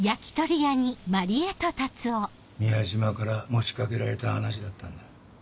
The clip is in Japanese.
宮島から持ちかけられた話だったんだ。